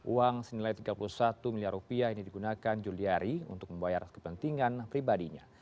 uang senilai tiga puluh satu miliar rupiah ini digunakan juliari untuk membayar kepentingan pribadinya